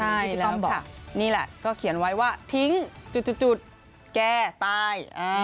ใช่ต้องบอกนี่แหละก็เขียนไว้ว่าทิ้งจุดแกตาย